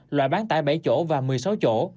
loại bán tải bảy chỗ và một mươi sáu chỗ